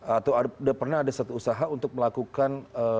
atau pernah ada satu usaha untuk melakukan